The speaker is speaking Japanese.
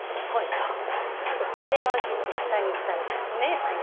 電話切って下に行ったら。